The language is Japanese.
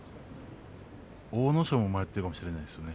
阿武咲も迷ってるかもしれませんね